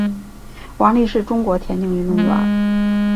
王丽是中国田径运动员。